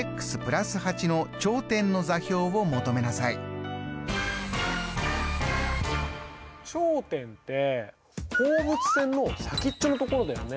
今回の頂点って放物線の先っちょのところだよね。